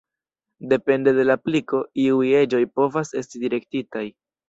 Depende de la apliko, iuj eĝoj povas esti direktitaj.